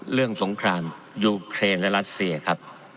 สงครามยูเครนและรัสเซียครับ